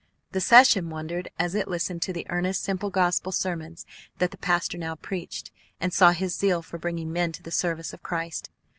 The session wondered as it listened to the earnest, simple gospel sermons that the pastor now preached, and saw his zeal for bringing men to the service of Christ.